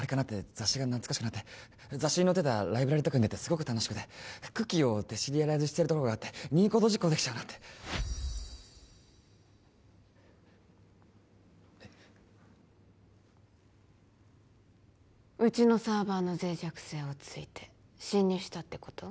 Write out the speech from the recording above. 雑誌が懐かしくなって雑誌に載ってたライブラリとか読んでてすごく楽しくてＣｏｏｋｉｅをデシリアライズしてるところがあって任意コード実行できちゃうなってえっうちのサーバーの脆弱性を突いて侵入したってこと？